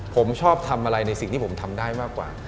ผมชอบทำอะไรในสิ่งที่ผมทำได้มากกว่า